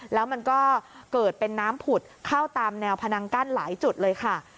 แล้วมันก็เกิดเป็นน้ำผุดเข้าตามแนวพนังกั้นหลายจุดเลยค่ะ